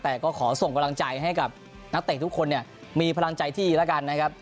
แต่ก็ขอส่งกำลังใจให้กับนักเตะทุกคนเนี่ยมีพลังใจที่แล้วกันนะครับ